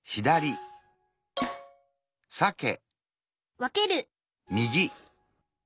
わける